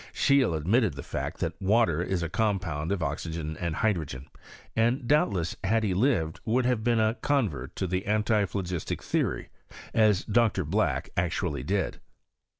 Scheele admitted the fact that water is a compound of oxygen and hydrogen ; and doubtless, had he lived, would have become a con vert to the antiphlogistic theory, as Dr. Black ac tually did.